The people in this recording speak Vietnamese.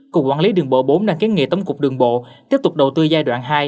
cục quản lý đường bộ bốn đang kiến nghị tổng cục đường bộ tiếp tục đầu tư giai đoạn hai